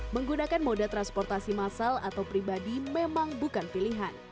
menggunakan mode transportasi massal atau pribadi memang bukan pilihan